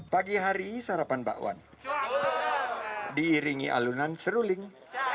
pagi hari sarapan bakwan diiringi alunan seruling